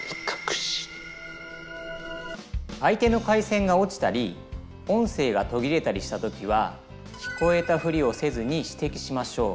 相手の回線が落ちたり音声が途切れたりした時は聞こえたふりをせずにしてきしましょう。